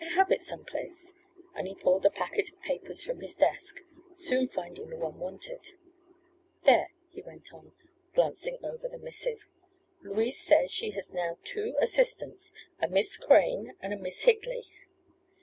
"I have it some place," and he pulled a packet of papers from his desk, soon finding the one wanted. "There," he went on, glancing over the missive, "Louise says she has now two assistants, a Miss Crane and a Miss Higley."